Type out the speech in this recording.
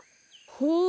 ほう。